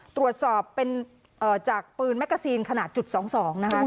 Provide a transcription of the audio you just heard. ตรวจสอบเป็นจากปืนแกซีนขนาดจุด๒๒นะคะ